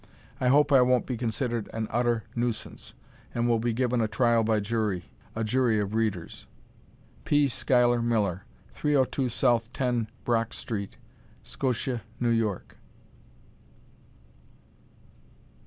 I hope I won't be considered an utter nuisance, and will be given a trial by jury a jury of readers. P. Schuyler Miller, 302 So. Ten Broeck St., Scotia, New York.